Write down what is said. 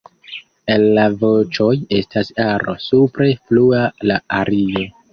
El la voĉoj estas aro supre flua la ario.